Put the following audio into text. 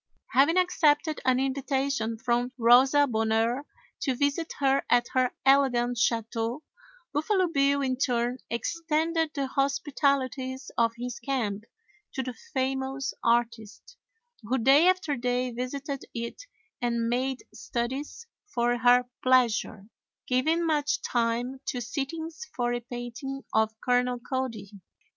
Having accepted an invitation from Rosa Bonheur to visit her at her elegant chateau, Buffalo Bill in turn extended the hospitalities of his camp to the famous artist, who day after day visited it and made studies for her pleasure, giving much time to sittings for a painting of Colonel Cody.